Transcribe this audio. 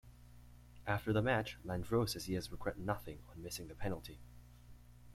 After the match, Landreau says he has regret nothing on missing the penalty.